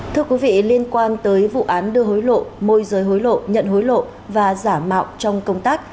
thưa quý vị liên quan tới vụ án đưa hối lộ môi giới hối lộ nhận hối lộ và giả mạo trong công tác